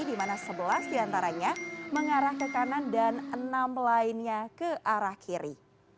di mana sebelas diantaranya mengarah ke kanan dan enam lainnya ke arah kiri